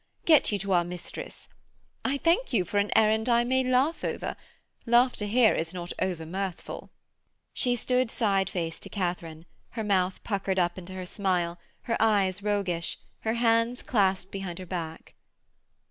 Get you to our mistress. I thank you for an errand I may laugh over; laughter here is not over mirthful.' She stood side face to Katharine, her mouth puckered up into her smile, her eyes roguish, her hands clasped behind her back.